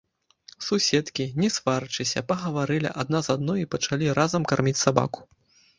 Суседкі, не сварачыся, пагаварылі адна з адной і пачалі разам карміць сабаку.